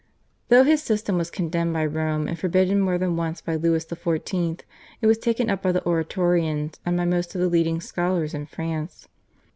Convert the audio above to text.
Though his system was condemned by Rome and forbidden more than once by Louis XIV. it was taken up by the Oratorians and by most of the leading scholars in France.